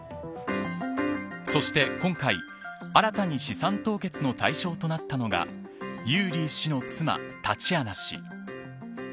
そして今回、新たに資産凍結の対象となったのがユーリー氏の妻タチアナ氏